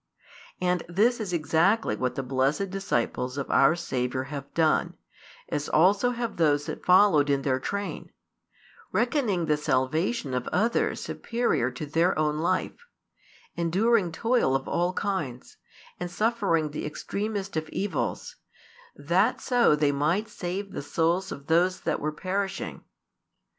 And this is exactly what the blessed disciples of our Saviour have done, as also have those that followed in their train; reckoning the salvation of others superior to their own life, enduring |219 toil of all kinds, and suffering the extremest of evils, that so they might sa\e the souls of those that were perishing.